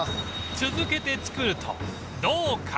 続けて作るとどうか？